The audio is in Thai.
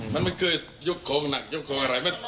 มันไม่เคยยกโครงหนักยกโครงอะไร